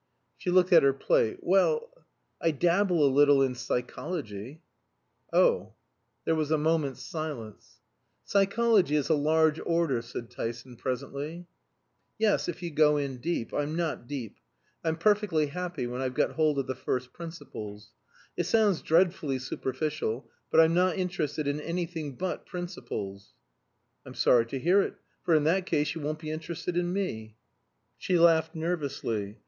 She looked at her plate. "Well, I dabble a little in psychology." "Oh!" There was a moment's silence. "Psychology is a large order," said Tyson, presently. "Yes, if you go in deep. I'm not deep. I'm perfectly happy when I've got hold of the first principles. It sounds dreadfully superficial, but I'm not interested in anything but principles." "I'm sorry to hear it, for in that case you won't be interested in me." She laughed nervously.